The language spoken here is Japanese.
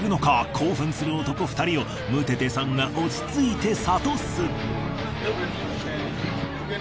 興奮する男２人をムテテさんが落ち着いて諭す。